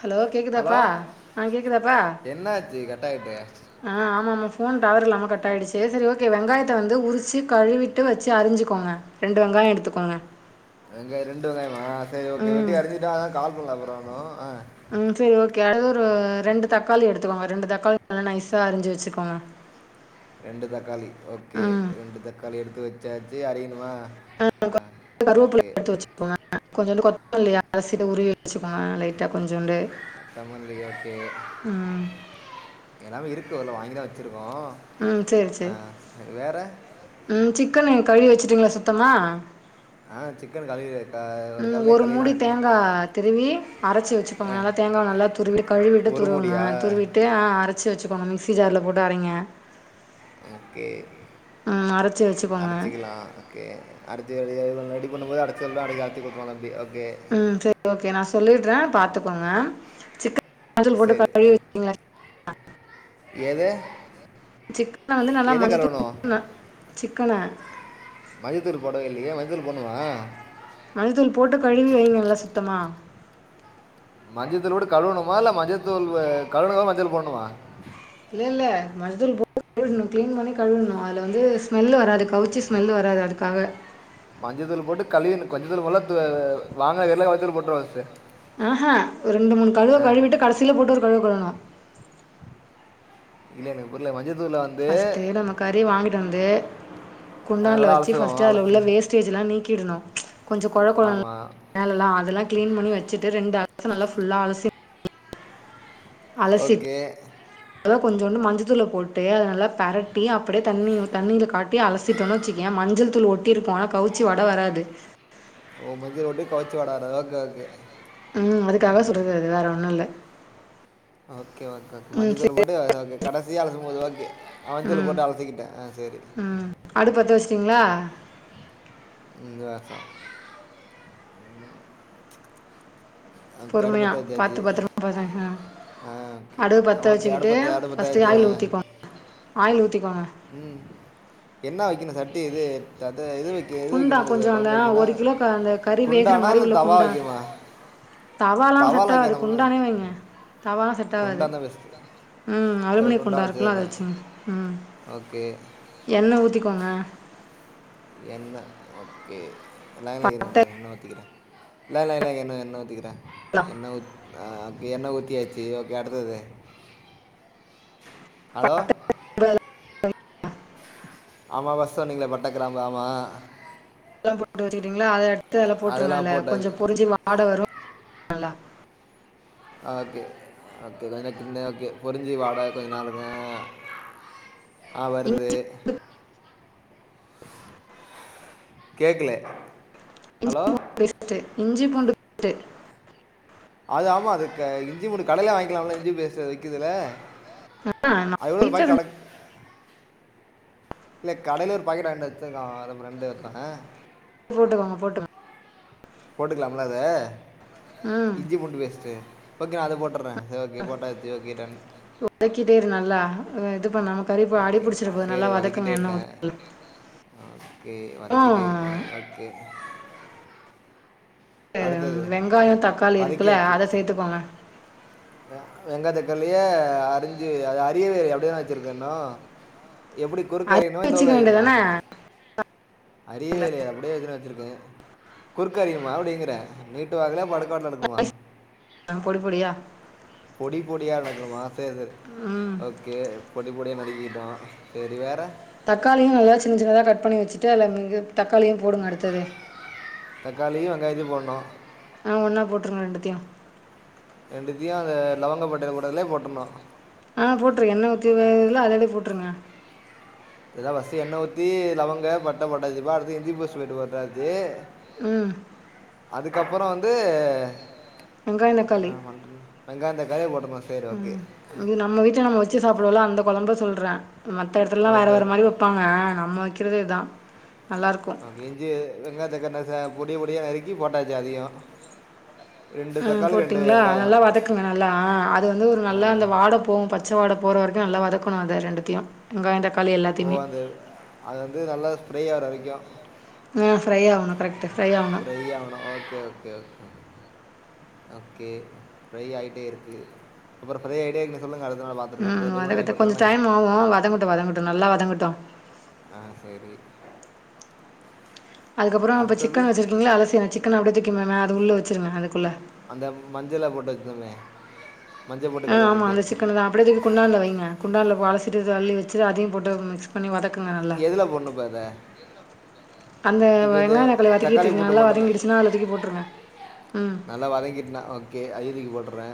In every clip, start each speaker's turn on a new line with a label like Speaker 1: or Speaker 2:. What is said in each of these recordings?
Speaker 1: Hello
Speaker 2: hello
Speaker 1: கேக்குதாப்பா ஆ கேக்குதாப்பா
Speaker 2: என்னாச்சு கட் ஆய்ட்டு
Speaker 1: ஆ ஆமாம்மா ஃபோன் டவர் இல்லாம கட் ஆயிடுச்சு செரி ஓகே வெங்காயத்த வந்து உரிச்சு கழுவிட்டு வச்சி அறிஞ்சிக்கோங்க ரெண்டு வெங்காயோ எடுத்துக்கோங்க
Speaker 2: வெங்காயோ ரெண்டு வெங்காயமா சேரி ஓகே
Speaker 1: ம்
Speaker 2: வெட்டி அறிஞ்சிட்டா அதா கால் பண்ணல அப்புறோ னு அ
Speaker 1: ம் செர் ஓகே அடுது ஒரு ரெண்டு தக்காளி எடுத்துக்கோங்க ரெண்டு தக்காளி நல்லா நைஸாக அறிஞ்சு வச்சுக்கோங்க [unintelligible]
Speaker 2: ரெண்டு தக்காளி ஓகே
Speaker 1: ம்
Speaker 2: ரெண்டு தக்காளி எடுத்து வச்சாச்சு அறியணுமா
Speaker 1: ஆ கொஞ்சோ கருவேப்பள்ளய எடுத்து வச்சுக்கோங்க கொஞ்சோன்டு கொத்தமல்லி இலைய அலசிட்டு உருவி வச்சுக்கோங்க லைட் ட்டா கொஞ்சோண்டு
Speaker 2: சம்மந்தி ஓகே
Speaker 1: ம்
Speaker 2: எல்லாமே இருக்கு இல்ல வாங்கிதா வச்சிருக்கோ
Speaker 1: ம் சேரி சேரி ம் சிக்கனு கழுவி வச்சுட்டீங்களா சுத்தமா
Speaker 2: ஆ சிக்கன் கழுவி தா இர்
Speaker 1: ம் ஒரு மூடி தேங்கா திருவி அரச்சு
Speaker 2: ஆ
Speaker 1: வச்சுக்கோங்க நல்லா தேங்கா நல்லா துர்ந்தி கழுவிட்டு
Speaker 2: ஒரு
Speaker 1: துருவுங்க
Speaker 2: மூடியா
Speaker 1: துருவிட்டு அரச்சு வச்சுக்கோங்க மிக்சி ஜார்ல போட்டு அரைங்க
Speaker 2: ஓகே
Speaker 1: ம் அரைச்சி வச்சுக்கோங்க
Speaker 2: அரச்சிக்கலா ஓகே அடித்துடி ரெடி பண்ணும்போது அடச்ச சொல்ல அக்க அரைச்சி கொட்த்துருவங்க எப்படி ஓகே
Speaker 1: ம் செரி ஓகே நா சொல்லிட்றே பாத்துக்கோங்க சிக்கன் மஞ்சள் போட்டு கழுவி வெச்சிங்களா
Speaker 2: எத
Speaker 1: சிக்கன வந்து நல்லா மஞ்சள்தூள்
Speaker 2: கழுவணும்
Speaker 1: போட்டு நல் சிக்கன
Speaker 2: மஞ்சதூளு போடவே இல்லையே மஞ்சதூளு போட்ண்ணுமா
Speaker 1: மஞ்தூள் போட்டு கழுவி வைங்க நல்லா சுத்தமா
Speaker 2: மஞ்சதூள் போட்டு கழுவுணுமா இல்ல மஞ்சத்தூள் கழுவுனதா மஞ்சள் போடணுமா
Speaker 1: இல்ல இல்ல மஞ்தூள் போட் ட்னு கிளீன் பண்ணி கழுவிட்ணு அதுல வந்து ஸ்மெல்லு வராது கவுச்சி ஸ்மெல்லு வராது அதுக்காக
Speaker 2: மஞ்சத்தூள் போட்டு கழுவிற்ன்னு கொஞ்சதூர் வளத்து வாங்கா எள்லா வந்துரு போட்டுருவ அட்த்து
Speaker 1: ஆ ஹா ஒரு ரெண்டு மூணு கழுவ கழுவிட்டு கடைசியில போட்டு ஒரு கழுவ கழுவ்ணு
Speaker 2: இல்ல என்கு புரில மஞ்சதூல அந்
Speaker 1: ஃபஸ்ட்டு நம்ம கறி வாங்கிட்டு வந்து
Speaker 2: அஹ்,
Speaker 1: குண்டான்ல
Speaker 2: நல்லா
Speaker 1: வச்சு
Speaker 2: அலசுவோம்
Speaker 1: ஃபஸ்ட்டு அதில
Speaker 2: அலசு
Speaker 1: உள்ள வேஸ்ட் டேஜ்ல்லா நீக்கிடனுகொஞ்ச கொழ கொழன்
Speaker 2: ஆமாம்
Speaker 1: வேலல்லா அதல்லா கிளீன் பண்ணிவச்சிட்டு ரெண்டு அலசு நல்லா ஃபுல்லா அலசி அலசிட்
Speaker 2: ஓகே
Speaker 1: அத கொஞ்சோண்டு மஞ்சத்தூள போட்டு அத நல்லா பெரட்டி அப்டியே தண்ணி தண்ணியில காட்டி அலஸ் சிட்டோன்னு வச்சுக்கயே மஞ்சள் தூள் ஒட்டி இருக்கு ஆனா கவுச்சி வாட வராது
Speaker 2: ஓ மஞ்ச போட்டு கவுச்சி வாடா வராது ஓகே ஓகே
Speaker 1: ம் அதுக்காக சொல்றது அது வேற ஒண்ணு இல்ல
Speaker 2: ஓகே ஓகே ஓகே
Speaker 1: ம்
Speaker 2: மஞ்சதூள்
Speaker 1: சரி
Speaker 2: போட்டு ஓகே கடைசிய அலசும் போது ஓகே அ மஞ்சதூள போட்டு அலசிக்கிட்டே ஆ செரி
Speaker 1: அடுப் பத்த வச்சுட்டீங்களா
Speaker 2: இந்தா ஓகே
Speaker 1: பொறுமையா
Speaker 2: அடுப்பத்த
Speaker 1: பாத்து
Speaker 2: வச்சாச்சு
Speaker 1: பத்திரமா பதே அ
Speaker 2: ஆ ஓகே
Speaker 1: அடுப்ப பத்த
Speaker 2: ஓகே
Speaker 1: வச்சுக்கிட்டு
Speaker 2: அடுப்பத்து
Speaker 1: ஃபஸ்ட்ட்
Speaker 2: அடுப்பத்தாச்சு ஆ
Speaker 1: ஆயில் ஊத்திக்கோங்க ஆயில் ஊத்திக்கோங்க
Speaker 2: ம் என்ன வெக்கணு சட்டி இது தது இது எது
Speaker 1: குண்டா
Speaker 2: வெக்கணு இது
Speaker 1: கொஞ்சோ அந்த
Speaker 2: டம் வெக்கனா
Speaker 1: ஒரு கிலோ க அந்த கறி வேகுற
Speaker 2: குண்டானா
Speaker 1: மாரி
Speaker 2: இல்ல
Speaker 1: உள்ள
Speaker 2: தவா
Speaker 1: குண்டா
Speaker 2: வைக்கமா
Speaker 1: தவாலா செட்டாவ்து குண்டானே வைங்க தவாலா செட் டாவாது
Speaker 2: குண்டான் தான் பெஸ்ட்டு
Speaker 1: ம்
Speaker 2: சரி
Speaker 1: அலுமனிய குண்டா
Speaker 2: குண்டான்
Speaker 1: இருக்குல்ல அத
Speaker 2: வச்சுக்கிறேன்
Speaker 1: வச்சுங்க ம்
Speaker 2: ஓகே
Speaker 1: எண்ணெ ஊத்திக்கோங்க
Speaker 2: என்ன ஓகே லைன்ல இருங்க இந்த
Speaker 1: பட்ட
Speaker 2: எண்ணெ ஊத்திக்கிறே லைய லைன்ல இருங்க எண்ணெ எண்ணெ ஊத்திக்றே
Speaker 1: லா
Speaker 2: எண்ணெ ஆ ஓகே எண்ணெ ஊத்தியாச்சு ஓகே அடுத்தது ஹலோ
Speaker 1: [inaudible]
Speaker 2: ஆமா ஆமா சொன்னிங்களே பட்ட கிராம்பு ஆமா
Speaker 1: எல்லா போட்டு வச்சுக்கிட்டீங்ளா அத எடுத்து அதுல போட்டுருங்க
Speaker 2: அதெல்லாம்
Speaker 1: அதுல கொஞ்சோ
Speaker 2: போட்டாச்சு
Speaker 1: பொரிஞ்சு வாட வரு நல்லா
Speaker 2: ஆ ஓகே ஓகே எனக்கு இன்னு ஓகே பொரிஞ்சு வாட கொஞ்ச நேரம் இருக்கனு ஆ
Speaker 1: இஞ்
Speaker 2: வருது கேக்கல
Speaker 1: இஞ்சி பூண்டு பேஸ்ட்டு இஞ்சி பூண்டு பேஸ்ட்டு
Speaker 2: அது ஆமா அது க இஞ்சி பூண்டு கடையில வாங்கிக்கலாம்ல இஞ்சி பேஸ்ட் விக்குதுல
Speaker 1: ஆ நா வீட்ல செஞ்
Speaker 2: இல்ல கடைல ஒரு பாக்கெட்டு வாங்கிட்டு வந்து வச்சுருக்கா அது ஃப்ரெண்ட்டு ஒருத்தவ
Speaker 1: போட்டுக்கோங்க போட்டுங்
Speaker 2: போட்டுக்கலாம்ல அத
Speaker 1: ம்
Speaker 2: இஞ்சி பூண்டு பேஸ்ட்டு ஓகே நா அது போட்டுட்றே சரி ஓகே போட்டாச்சு ஓகே டன்
Speaker 1: வதக்கிட்டே இரு நல்லா இது பண்ணாம கறி ப அடி
Speaker 2: ஓகே
Speaker 1: புடிச்சிற போது
Speaker 2: சரி
Speaker 1: நல்லா
Speaker 2: வதக்கிட்டே
Speaker 1: வதக்குங்க எண்ணெ
Speaker 2: இருக்கேன்
Speaker 1: ஊத்தி
Speaker 2: ஓகே வதக்கிட்டே இருக்கே
Speaker 1: ம்
Speaker 2: ஓகே
Speaker 1: ம்
Speaker 2: அடுத்தது
Speaker 1: வெங்காயோ தக்காளி இருக்குல அத சேத்துக்கோங்க
Speaker 2: வெ வெங்காய தக்காளிய அரிஞ்சு அது அரியவே இல்லையே அப்படியேதா வச்சிருக்கே இன்னு எப்டி குறுக்க அரியனுமா
Speaker 1: அரிஞ்சு
Speaker 2: இந்த
Speaker 1: வச்சுக்க
Speaker 2: பக்கோ அரியனுமா
Speaker 1: வேண்டியதான
Speaker 2: அரியவே இல்லையே அப்படியே வச்சுன்னு வச்சுருக்கே குறுக்க அரியனும்மா எப்படிங்கறே நீட்டு வாக்குல படுக்கவாட்டுல நறுக்குனுமா
Speaker 1: அ பொடி பொடியா
Speaker 2: பொடி பொடியா நறுக்கனுமா சேரி சேரி
Speaker 1: ம்
Speaker 2: ஓகே பொடி பொடியா நறுக்கிக்கிட்டோ சேரி வேற
Speaker 1: தக்காளியு நல்லா சின்ன சின்னதா கட் பண்ணி வச்சுட்டு அதுல நீங்க தக்காளியு போடுங்க அடுத்தது
Speaker 2: தக்காளி வெங்காயத்தையு போடணு
Speaker 1: ஆ ஒன்னா போட்டுருங்க ரெண்டுத்தையு
Speaker 2: ரெண்டுத்தையு அந்த லவங்கப்பட்டையில போட்டதுலயே போட்டுரணு
Speaker 1: ஆ போட்டுரு எண்ணெய் ஊத்தி வேகுதுல அதுலே போட்டுருங்க
Speaker 2: எதா ஃபஸ்ட்டு எண்ணெ ஊத்தி லவங்க பட்ட போட்டாச்சிப்பா அடுத்து இஞ்சி பேஸ்ட் பூண்டு போட்டாச்சு
Speaker 1: ம்
Speaker 2: அதுக்கப்பறோ வந்து
Speaker 1: வெங்காயோ தக்காளி
Speaker 2: என்னா பண்றது வெங்காயோ தக்காளி போட்டுரணு சேரி ஓகே
Speaker 1: அது நம்ப வீட்ல நம்ம வச்சு சாப்பிடுவோம்ல அந்த கொழம்ப சொல்றே மத்த எடத்துலலா வேற
Speaker 2: ஓகே
Speaker 1: வேற
Speaker 2: ஓகே
Speaker 1: மாரி வப்பாங் க நம்ம வைக்கிறது இதா நல்லாருக்கு
Speaker 2: இஞ்சி வெங்காயத் தக்காளி த ச பொடி பொடியா நறுக்கி போட்டாச்சு அதையு
Speaker 1: ம் போட்டீங்களா
Speaker 2: வெங்காயம்
Speaker 1: நல்லா வதக்குங்க நல்லா ஆ அது வந்து ஒரு
Speaker 2: ஆ
Speaker 1: நல்லா அந்த வாட போவு பச் ச வாட போற வரைக்கு நல்லா வதக்கணு அத ரெண்டுத்தையு வெங்காயோ தக்காளி
Speaker 2: ஓ
Speaker 1: எல்லாத்தையுமே
Speaker 2: அந்த அது வந்து நல்லா ஸ்ஃப்ரை ஆகற வரைக்கு
Speaker 1: ம் ஃப்ரை ஆவனு கரெக்ட்டு ஃப்ரை ஆவனு
Speaker 2: ஃப்ரை ஆவுனு ஓகே ஓகே ஓ ஓகே ஃப்ரையாட்டேருக்கு அப்றோ ஃப்ரை ஆகிட்டேருக்குன்னு சொல்லுங்க அடுத்து நா பா
Speaker 1: ம் வதங்கத்தா கொஞ்சோ டைம் ஆவு வதங்கட்டு வதங்கட்டு நல்லா வதங்கட்டு
Speaker 2: ஆ செரி
Speaker 1: அதுக்கப்றோ இப்ப
Speaker 2: அடுத்தது
Speaker 1: சிக்கன் வச்சிருக்கீங்களா அலசி சிக்கன அப்டியே தூங்கி மேல அது உள்ள வச்சிருங்க அதுக்குள்ள
Speaker 2: அந்த மஞ்சள போட்டு வச்சிருந்தோமே
Speaker 1: ம் ஆமா அந்த சிக்கன தா அப்டியே தூங்கி குண்டானுல வைங்க குண்டான்ல அளசிட்டு தள்ளி வச்சுட்டு அதயு போட்டு மிக்சு பண்ணி வதக்குங்க நல்லா
Speaker 2: எதில் போடணும் இப்போ அதை
Speaker 1: அந்த
Speaker 2: இப்போ இந்த
Speaker 1: வெங்காய தக்காளிய
Speaker 2: தக்காளி
Speaker 1: வதக்கிட்டுருக்கீங்கல்ல
Speaker 2: பூண்டு
Speaker 1: நல்லா
Speaker 2: போட்டுருந்தேன்
Speaker 1: வதங்கிடுச்சுன்னா அதுல தூக்கி போட்ருங்க
Speaker 2: நல்லா வதங்கிட்டுனா ஓகே அதயு தூக்கி‌ போட்டுறே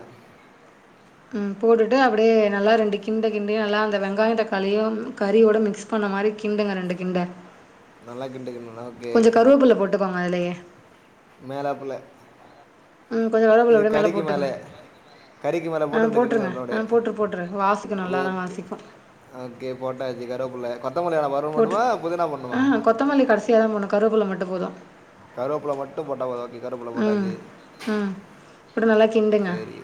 Speaker 1: ம் போட்டுட்டு அப்டியே நல்லா ரெண்டு கிண்டு கிண்டி நல்லா அந்த வெங்காயம் தக்காளியும் கறியோட மிக்ஸ் பண்ண மாதிரி கிண்டுங்க ரெண்டு கிண்டு
Speaker 2: நல்லா கிண்டுக்கணும்ன
Speaker 1: கொஞ்சோ கருவேப்புல்ல போட்டுக்கோங்க அதுலேயே
Speaker 2: மேலாப்பிள்ள
Speaker 1: ம் கொஞ்ச கருவேப்பில
Speaker 2: இது
Speaker 1: அப்படியே
Speaker 2: கறிக்கு மேல
Speaker 1: போட்டுக்கங்க.
Speaker 2: கறிக்கு மேல
Speaker 1: ஆ
Speaker 2: போட்டு ரெண்டு கிண்டு
Speaker 1: போட்ருங்க.
Speaker 2: கிண்டனு
Speaker 1: ஆ
Speaker 2: அப்டியே
Speaker 1: போட்ரு போட்ரு வாசிக்கும் நல்லா தான்
Speaker 2: ஓகே
Speaker 1: வாசிக்கும்.
Speaker 2: ஓகே போட்டாச்சு கருவப்பிள்ள கொத்த மல்லி வேணாம
Speaker 1: போட்டு ஆ கொத்தமல்லி கடைசியாதா போடணு கருவேப்புள்ள மட்டு போது
Speaker 2: கருவேப்புள்ள போட் போட்ட போட்டா உதாக்கி கருவபுள்ள
Speaker 1: ம்
Speaker 2: போட்டாச்சு
Speaker 1: ம் போட்டு நல்லா கிண்டுங்க.
Speaker 2: சேரி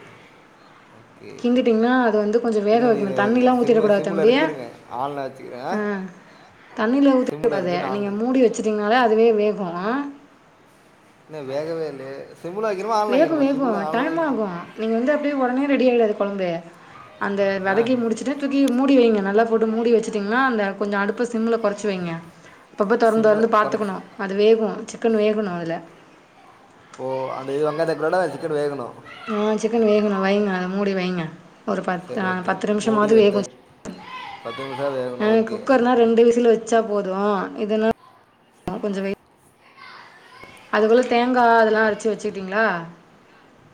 Speaker 2: ஓகே
Speaker 1: கிண்டிட்டிங்கன்னா அது வந்து கொஞ்ச
Speaker 2: இரு
Speaker 1: வேக
Speaker 2: [unintelligible] இன்ன
Speaker 1: வைக்கணும். தண்ணிலாம்
Speaker 2: சிம்ல
Speaker 1: ஊத்திறக்கூடாது
Speaker 2: சிம்ல
Speaker 1: தம்பி.
Speaker 2: இருக்கு இருங்க ஆன்ல வச்சுக்கிறே
Speaker 1: தண்ணிலா ஊத்தக் கூடாது நீங்க
Speaker 2: ஆன்
Speaker 1: மூடி வச்சட்டீங்கனாலே அதுவே வேகு ஆ
Speaker 2: இன்னு வேகவே இல்லயே சிம்முல வைக்கணுமா ஆன்லைன்
Speaker 1: வேகு
Speaker 2: வைக்கணுமா
Speaker 1: வேகு
Speaker 2: சிம்மில் ஆன்லைன்
Speaker 1: டைம்
Speaker 2: வைங்க.
Speaker 1: ஆகு நீங்க வந்து அப்டியே உடனே ரெடி ஆயிடாது கொழம்பு அந்த
Speaker 2: ஆ
Speaker 1: வதக்கி முடிச்சுட்டு தூக்கி மூடி வைங்க நல்லா போட்டு மூடி வச்சுட்டீன்னா அ இந்த கொஞ்சோ அடுப்ப சிம்ல குறைச்சி வைங்க அப்பப்ப திறந்து
Speaker 2: சிம்மில்
Speaker 1: திறந்து
Speaker 2: குறைச்சி
Speaker 1: பாத்துக்கணு அது வேகு சிக்கன் வேகணு அதுல
Speaker 2: ஓ அந்த இதுங்கே தக்கறட சிக்கனு வேகணு
Speaker 1: ஆ சிக்கன் வேகணு வைங்க அது மூடி வைங்க ஒரு பத்து
Speaker 2: சரி
Speaker 1: அ
Speaker 2: ஓகே
Speaker 1: பத்து
Speaker 2: மூடி
Speaker 1: நிமிஷமாவது
Speaker 2: வைத்து
Speaker 1: வேகு
Speaker 2: பத்து நிம்ஷோ வேகு
Speaker 1: ம் குக்கர்னா ரெண்டு விசில் வச்சா போது இதனா [inaudible] கொஞ்சோ வெய்ட் அதுக்குள்ள தேங்கா அதெலா அரச்சு வச்சுக்கிட்டிங்ளா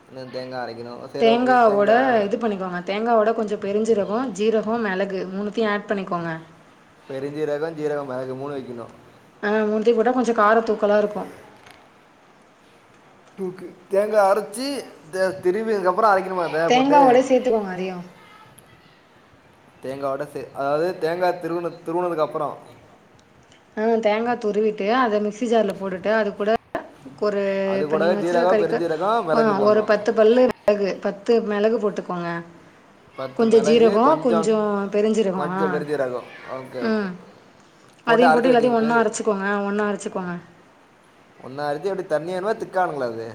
Speaker 2: இன்னு தேங்கா அரைக்கணு
Speaker 1: தேங்காவோட இது பண்ணிக்கோங்க தேங்காவோட கொஞ்சோ பெரிஞ்சீரகோ ஜீரகோ மிளகு மூணுத்தையு ஆட் பண்ணிக்கோங்க
Speaker 2: பெருஞ்சீரகோ ஜீரகோ மிளகு மூணு வைக்கணு
Speaker 1: ம் மூணுத்தையு போட்டா கொஞ்சோ காரோ தூக்கலாருக்கு
Speaker 2: தூக்கு தேங்கா அரைச்சு த திருவி அப்றோ அரைக்கணு அத
Speaker 1: தேங்காவோட சேத்துக்கோங்க அதயு
Speaker 2: தேங்காவோட சே அதாவது தேங்காய் திருவுன திருவுனதுக்கப்றோ
Speaker 1: ஆ தேங்கா துருவிட்டு அத மிக்சி ஜார்ல போட்டுட்டு அது கூட கொரு
Speaker 2: அது
Speaker 1: இப்ப
Speaker 2: கூடவே
Speaker 1: நீங்க வச்சிருக்க
Speaker 2: ஜீரகம்
Speaker 1: கறிக்கு
Speaker 2: பெருஞ்சீரகம்
Speaker 1: அ
Speaker 2: மிளகு
Speaker 1: ஒரு பத்
Speaker 2: போடணும்
Speaker 1: பத்து பல்லு மெளகு பத்து மெளகு போட்டுக்கோங்க
Speaker 2: பத்து
Speaker 1: கொஞ்ச
Speaker 2: மிளகு
Speaker 1: ஜீரகோ
Speaker 2: கொஞ்சம்
Speaker 1: கொஞ்சோ பெருஞ்ஜீரகோ ஆ
Speaker 2: கொஞ்சம் பெருஞ்ச ரகம் ஓகே ஓகே
Speaker 1: ம் அதையு போட்டு
Speaker 2: அரைச்சி
Speaker 1: எல்லாத்தையு
Speaker 2: வச்சுக்கணும் பே
Speaker 1: ஒன்னா அரைச்சிக்கோங்க ஒன்னா அரைச்சிக்கோங்க
Speaker 2: ஒன்னா அரச்சி அப்டி தண்ணி வேணுமா திக்கா வேணுங்களா அது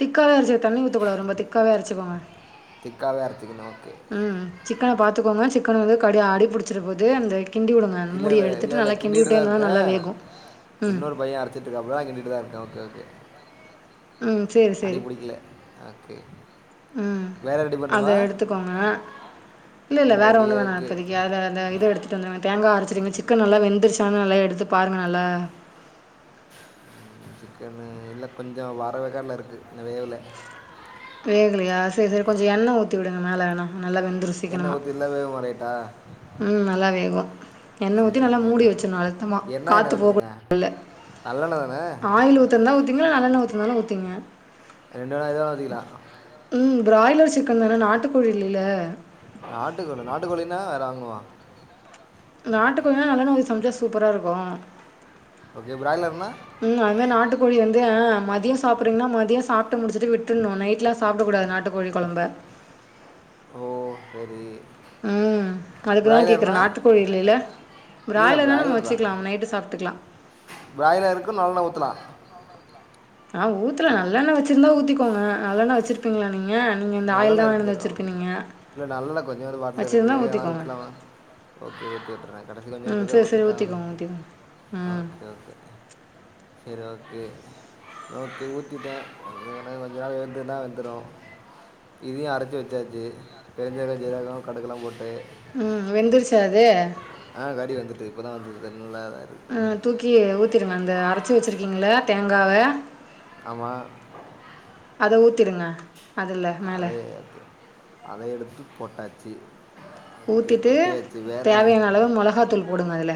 Speaker 1: திக்காவே அரைச்சு தண்ணி ஊத்த கூடாது ரொம்ப திக்காவே அரைச்சிக்கோங்க
Speaker 2: திக்காகவே அரைச்சிக்கணும் ஓகே
Speaker 1: ம் சிக்கன பாத்துக்கோங்க சிக்கன் வந்து கடி அடி புடிச்சர போது அந்த கிண்டி உடுங்க
Speaker 2: இல்லல இல்ல இல்ல கிண்டிகிட்டுதா இருக்கே
Speaker 1: வேகும் ம்
Speaker 2: இன்னொரு பையே அரச் சிட்ருக்காபுல நா கிண்டிட்டு தா இருக்கே ஓகே ஓகே
Speaker 1: ம் சேரி
Speaker 2: அடி
Speaker 1: சேரி
Speaker 2: புடிக்கில ஓகே
Speaker 1: ம்
Speaker 2: வேற ரெடி
Speaker 1: அத
Speaker 2: பண்ணுமா
Speaker 1: எடுத்துக்கோங்க இல்ல இல்ல வேற
Speaker 2: ரெடி
Speaker 1: ஒன்னு வேணா
Speaker 2: ஓகே
Speaker 1: இப்பதிக்கு அத அந்த இத எடுத்து [unintelligible] துங்க தேங்கா அரைச்சிருங்க சிக்கன் நல்லா வெந்துருச்சான் நல்லா எடுத்து பாருங்க நல்லா
Speaker 2: சிக்கனு இல்ல கொஞ்சோ வர வேக்காட்ல இருக்கு இன்னு வேவல
Speaker 1: வேகலையா செரி செரி கொஞ்சோ எண்ண ஊத்தி விடுங்க மேல இன்னு நல்லா வெந்துரு
Speaker 2: எண்ண ஊத்தி இல்ல வேவுமா ரைட்டா
Speaker 1: ம் நல்லா வேகு எண்ண‌
Speaker 2: சரி
Speaker 1: ஊத்தி நல்லா
Speaker 2: கொஞ்சம்
Speaker 1: மூடி
Speaker 2: எண்ணெய்
Speaker 1: வச்சிர்ணு அழுத்தமா காத்து போக [inaudible] உள்ள
Speaker 2: நல்லண்ண தான
Speaker 1: ஆயில் ஊத்துருந்தா ஊத்தீங்க நல்லண்ண ஊத்துனாலு ஊத்தீங்க
Speaker 2: ரெண்டுவேணா எதா ஊத்திக்கலா
Speaker 1: ம் ப்ராய்லர் சிக்கன் தான நாட்டுக்கோழி இல்லில
Speaker 2: நாட்டுக்கோழி நாட்டுக்கோழின்னா வேற வாங்குணுமா
Speaker 1: நாட்டு கோழினா நல்லெண்ண ஊத்தி சமைச்சா சூப்பரா இருக்கு
Speaker 2: ஓகே பிராய்லர்னா
Speaker 1: ம் அது மேரி நாட்டுகோழி வந்து மதியோ சாப்புறீங்கன்னா மதியோ சாப்டு முடிச்சுட்டு விட்டுண்ணு நைட்ல சாப்டக்கூடாது நாட்டு கோழி கொழம்ப
Speaker 2: ஓ சேரி
Speaker 1: ம் அதுக்குதா கேக்குறே நாட்டுக்கோழி இல்லைல
Speaker 2: இல்லை
Speaker 1: பிராய்லர்னா நம்ம வச்சிக்கலா நைட்டு சாப்டுக்கலா
Speaker 2: பிராய்லர்க்கு நல்லெண்ண ஊத்தலா
Speaker 1: ஆ ஊத்துலா நல்லண்ண வச்சிருந்தா ஊத்திக்கோங்க நல்லண்ணா வச்சிருப்பீங்ளா நீங்க நீங்க இந்த ஆயில் தா வாங்கினு வந்து வச்சிருப்பீங்க
Speaker 2: இல்ல நல்லண்ண கொஞ்சோன்டு பாட்ல இருக்கு
Speaker 1: வச்சிருந்தா
Speaker 2: ஆனா
Speaker 1: ஊத்திக்கோங்க
Speaker 2: ஊத்லாமா ஓகே ஊத்தி உட்றே கடைசில கொஞ்சோண்டு
Speaker 1: ம்
Speaker 2: இருந்தா
Speaker 1: சேரி சேரி
Speaker 2: ஊத்திட்டா
Speaker 1: ஊத்திக்கோங்க ஊத்திக்கோங்க
Speaker 2: ஆ
Speaker 1: ம்
Speaker 2: ஓகே ஓகே செரி ஓகே ஓகே ஊத்திவுட்டே [unintelligible] கொஞ்ச நேரம் இருந்துதுனா வேந்துரு கிதயு அரைச்சு வச்சாச்சு பெருஞ்சீரகோ சீரகோ கடுக்குலா போட்டு
Speaker 1: ம் வெந்துருச்சா அது
Speaker 2: ஆ கறி‌ வெந்துட்டு இப்பதா வெந்துது கறி நல்லா இதா
Speaker 1: அ தூக்கி ஊத்திருங்க அந்த அரைச்சு வச்சிருக்கீங்கள தேங்காவ
Speaker 2: ஆமா
Speaker 1: அத ஊத்திருங்க
Speaker 2: அதே அத எடுத்து போட்டாச்சு ஓகே
Speaker 1: ஊத்திட்டு
Speaker 2: கொட்டியாச்சு வேறு
Speaker 1: தேவையான அளவு மொளகாத்தூள் போடுங்க அதுல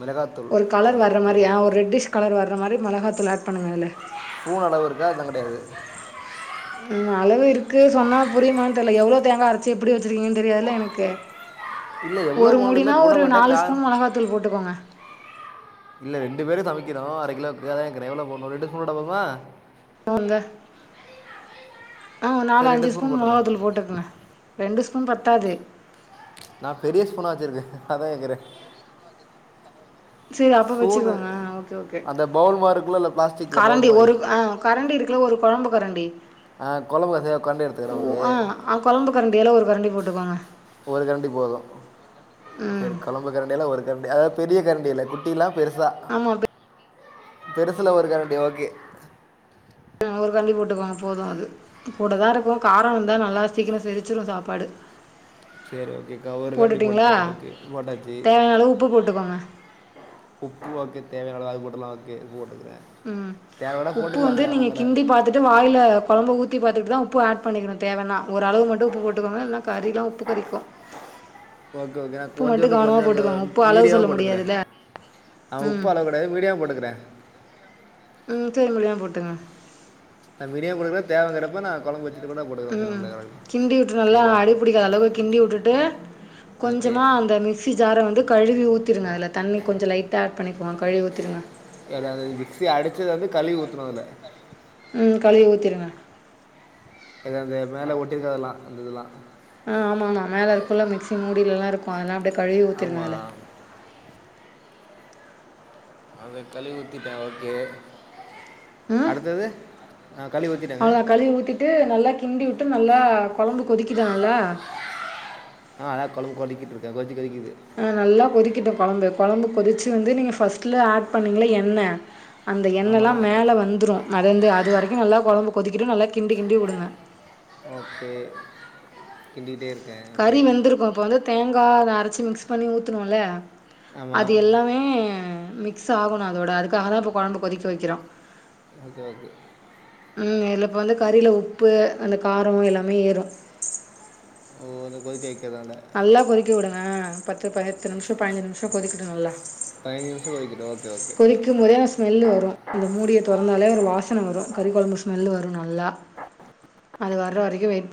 Speaker 2: மிளகா
Speaker 1: ஒரு கலர் வர்ற மாரி ஆ ஒர் ரெட்டிஷ் கலர் வர்ற மாரி மொளகா தூள் ஆட் பண்ணுங்க அதுல
Speaker 2: ஸ்பூன் அளவு இருக்கா அதுலா கெடையாது
Speaker 1: ம் அளவு இருக்கு சொன்னா புரியுமான் தெர்ல எவ்ளோ தேங்கா அரச்சு எப்டி வச்சிருக்கீங்கன் தெரியாதுல்ல எனக்கு
Speaker 2: இல்லை எவ்வளோ
Speaker 1: ஒரு
Speaker 2: போனது இல்லை
Speaker 1: மூடினா ஒரு நாலு ஸ்பூன் மொளகாத்தூள் போட்டுக்கோங்க
Speaker 2: இல்ல ரெண்டு பேரும் சமைக்கிறோம் அர கிலோக்கு அதா கேக்குற எவ்ளோ ரெண்டு ஸ்பூன் போட்டா போதும்மா
Speaker 1: அந்த ஆ நாலு
Speaker 2: சரி ரெண்டு
Speaker 1: அஞ்சு ஸ்பூன்
Speaker 2: போட்டுறேன்
Speaker 1: மொளகாத்தூள் போட்டுக்குங்க ரெண்டு ஸ்பூன் பத்தாது
Speaker 2: நா பெரிய ஸ்பூனா வச்சிருக்கே அதா கேக்குற
Speaker 1: சரி அப்போ
Speaker 2: ஸ்பூனு
Speaker 1: வச்சுக்கோங்க ஆ ஓகே ஓகே
Speaker 2: அந்த பவுல் மாரி இருக்குல்லல்ல பிளாஸ்டிக்ல பவுல்
Speaker 1: கரண்டி
Speaker 2: மாரி
Speaker 1: ஒரு ஆ கரண்டி இருக்குல ஒரு கொழம்பு கரண்டி
Speaker 2: ஆ கொழம்பு கசிய கர்ண்டி எடுத்துகுற அது
Speaker 1: அ கொழம்பு கரண்டியால ஒரு கரண்டி போட்டுக்கோங்க
Speaker 2: ஒரு கரண்டி போதும்
Speaker 1: ம்
Speaker 2: சரி கொழம்பு கரண்டியல்ல ஒரு கரண்டி அதாவ் பெரிய கரண்டியில்ல குட்டில்லா பெருசா
Speaker 1: ஆமா போ
Speaker 2: பெருசுல ஒரு கரண்டி ஓகே
Speaker 1: ஒரு கரண்டி போட்டுக்கோங்க போது அது கூட தா இருக்கும் காரோ வந்தா நல்லா சீக்கிரம் செரிச்சிடும் சாப்பாடு
Speaker 2: சேரி ஓகே கா ஒரு கரண்டி
Speaker 1: போட்டுட்டீங்களா
Speaker 2: போட்டுட்ட ஓகே போட்டாச்சு
Speaker 1: தேவையான அளவு உப்பு போட்டுக்கோங்க
Speaker 2: உப்பு ஓகே தேவையான அளவு அது போட்டுலா ஓகே உப்பு போட்டுக்கிற
Speaker 1: ம் உப்பு வந்து நீங்க கிண்டி பாத் துட்டு வாயில்ல கொழம்ப ஊத்தி பாத்துட்டு தா உப்பு ஆட் பண்ணிக்கணும் தேவனா ஒரு அளவு மட்டும் உப்பு போட்டுக்கோங்க இல்னா கறில்லா உப்பு கரிக்கும்
Speaker 2: ஓகே ஓகே நா கொஞ்சோண்டு கொஞ்சம்
Speaker 1: உப்பு அளவு
Speaker 2: மீடியாமா
Speaker 1: சொல்ல
Speaker 2: போட்டுக்கற
Speaker 1: முடியாதுல்ல
Speaker 2: நா உப்ப
Speaker 1: ம்
Speaker 2: அளவு பை மீடியமா போட்டுக்கிற
Speaker 1: ம் செரி மீடியமா போட்டுங்க
Speaker 2: நா மீடியா மூலியமா தேவைங்கிறப்ப நா கொழம்பு வச்
Speaker 1: ம் கிண்டி விட்டு நல்லா
Speaker 2: சரி ஓகே
Speaker 1: அடிபிடிக்காத அளவுக்கு கிண்டி விட்டுட்டு கொஞ்சமா அந்த மிஸ் மிக்சி ஜார வந்து கழுவி ஊத்திருங்க அதுல‌தண்ணி கொஞ்சம் லைட்டா ஆட் பண்ணிக்கோங்க கழுவி ஊத்திருங்க
Speaker 2: எதுல அது மிக்சி அடிச்சத வந்து கழுவி ஊத்தனும் அதுல
Speaker 1: ம் கழுவி ஊத்திருங்க
Speaker 2: எது அந்த மேல ஒட்டிருக்க அதுல்லா அந்த இதுல்லா
Speaker 1: ஆமாம்மா மேல இருக்குல மிக்ஸி மூடியில்லலா இருக்கும் அதல்லா அப்டே கழுவி ஊத்திருங்க அதுல
Speaker 2: ஆமாம் அத கழுவி ஊத்திட்ட ஓகே அடுத்தது ஆ கழுவி ஊத்திட்ட
Speaker 1: அவ்ளதா கழுவி ஊத்திட்டு நல்லா கிண்டி விட்டு நல்லா கொழம்பு கொதிக்குதா நல்லா
Speaker 2: ஆ நல்லா கொழம்பு கொதிச்சிட்ருக்கு கொத்தி கொலிக்குது
Speaker 1: அ நல்லா கொதிக்கிட்டும் கொழம்பு கொழம்பு கொதிச்சு வந்து நீங்க ஃபர்ஸ்ட்ல ஆட் பண்ணிங்ளா எண்ணெ அந்த எண்ணெல்லா
Speaker 2: ஆமாம்
Speaker 1: மேல வந்துரும் மெதந்து அது வரைக்கும் நல்லா கொழம்பு கொதிக்கட்டும் நல்லா கிண்டி கிண்டி உடுங்க
Speaker 2: ஓகே கிண்டிக்கிட்டே இருக்கே
Speaker 1: கறி வெந்துருக்கும் இப்ப வந்து தேங்கா அத அரச்சு மிக்ஸ் பண்ணி ஊத்துணுல அது
Speaker 2: ஆமாம்
Speaker 1: எல்லாமே மிக்ஸ் ஆகணும் அதோட அதுக்காக தா இப்ப கொழம்பு கொதிக்க வைக்கிறோ
Speaker 2: ஓகே ஓகே
Speaker 1: ம் இதில இப்போ வந்து கறியில்ல உப்பு அந்த காரம் எல்லாமே ஏறும்
Speaker 2: ஓ அத கொதிக்க வைக்கிறனால
Speaker 1: நல்லா கொதிக்க விடுங்க பத்து பைத்து நிம்ஷோ பதினஞ்சு நிம்ஷோ கொதிக்கட்டும் நல்லா
Speaker 2: பயினஞ்சு நிம்ஷோ கொதிக்கிட்டு ஓகே ஓகே
Speaker 1: து மாரியான ஸ்மெல்லு வரு அந்த மூடிய தொறந்தாலே ஒரு வாசன வரு கறிக்கொழம்பு ஸ்மெல்லு வரு நல்லா அது வர வரைக்கு வெய்ட்